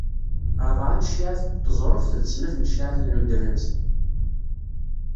Rebεa n cciεat n teẓruft d Snat n cciεat n udrenz.